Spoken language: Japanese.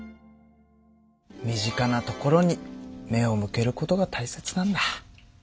身近なところに目を向けることが大切なんだ。